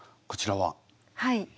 はい。